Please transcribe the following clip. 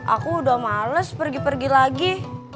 aku udah males pergi pergi lagi